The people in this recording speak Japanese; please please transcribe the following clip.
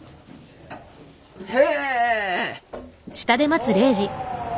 へえ。